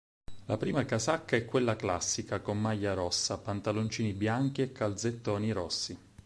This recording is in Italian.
La prima casacca è quella classica, con maglia rossa, pantaloncini bianchi e calzettoni rossi.